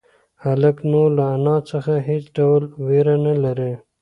هلک نور له انا څخه هېڅ ډول وېره نهلري.